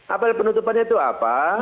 apel penutupannya itu apa